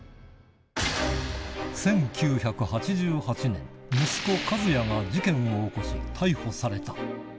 １９８８年、息子、一八が事件を起こし逮捕された。